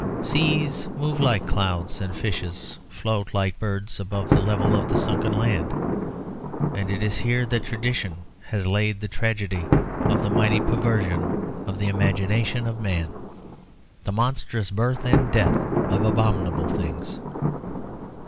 Seas move like clouds and fishes float like birds above the level of the sunken land. And it is here that tradition has laid the tragedy of the mighty perversion of the imagination of man; the monstrous birth and death of abominable things.